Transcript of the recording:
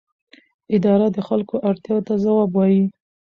اداره د خلکو اړتیاوو ته ځواب وايي.